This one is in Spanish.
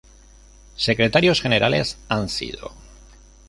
Secretarios Generales han sido